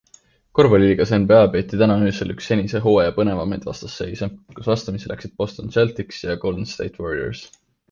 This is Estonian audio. Korvpalliliigas NBA peeti täna öösel üks senise hooaja põnevamaid vastasseise, kui vastamisi läksid Boston Celtics ja Golden State Warriors.